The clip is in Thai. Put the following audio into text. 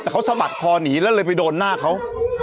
แต่เขาสะบัดคอหนีแล้วเลยไปโดนหน้าเขา